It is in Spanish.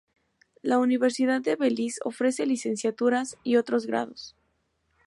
La Universidad de Belice ofrece licenciaturas, y otros grados.